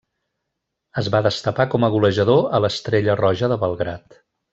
Es va destapar com a golejador a l'Estrella Roja de Belgrad.